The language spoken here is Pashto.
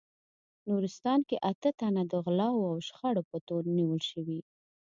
نورستان کې اته تنه د غلاوو او شخړو په تور نیول شوي